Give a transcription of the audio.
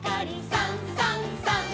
「さんさんさん」